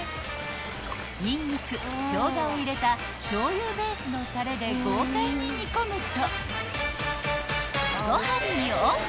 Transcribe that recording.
［ニンニクショウガを入れたしょうゆベースのたれで豪快に煮込むとご飯にオン！］